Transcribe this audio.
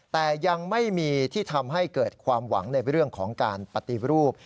แต่ยังไม่มีที่ทำให้เกิดความหวังในเรื่องของการปฏิรูป